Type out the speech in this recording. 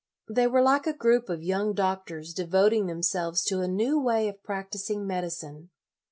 They were like a group LOYOLA 65 of young doctors devoting themselves to a new way of practising medicine.